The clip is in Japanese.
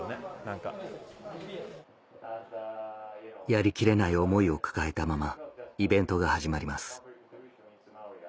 やりきれない思いを抱えたままイベントが始まります